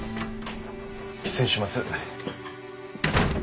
失礼します。